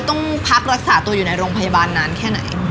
ต้องพักรักษาตัวอยู่ในโรงพยาบาลนานแค่ไหน